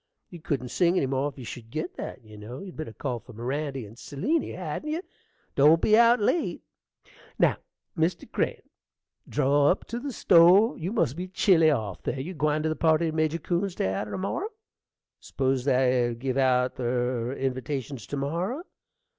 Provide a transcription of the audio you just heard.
You couldn't sing any more if you should git that, you know. You'd better call for Mirandy and Seliny, hadn't you? Don't be out late. Now, Mr. Crane, draw up to the stove: you must be chilly off there. You gwine to the party to Major Coon's day arter to morrow? S'pose they'll give out ther invatations to morrow.